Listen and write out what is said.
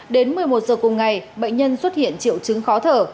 đến một mươi một giờ cùng ngày bệnh nhân xuất hiện triệu chứng khó thở